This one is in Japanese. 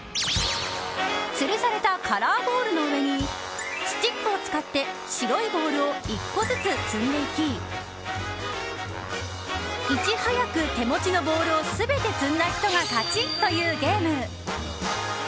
つるされたカラーボールの上にスティックを使って白いボールを１個ずつ積んでいきいち早く、手持ちのボールを全て積んだ人が勝ちというゲーム。